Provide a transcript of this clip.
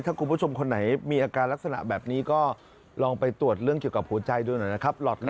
ถ้าคุณผู้ชมคนไหนมีอาการลักษณะแบบนี้ก็ลองไปตรวจเรื่องเกี่ยวกับหัวใจดูหน่อยนะครับ